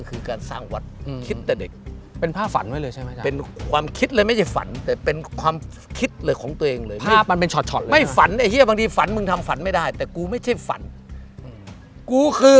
คือการสร้างวัดคิดแต่เด็ก